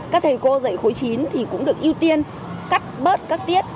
các thầy cô dạy khối chín thì cũng được ưu tiên cắt bớt các tiết